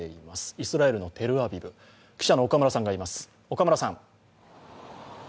イスラエルのテルアビブ、記者の岡村さんがいます。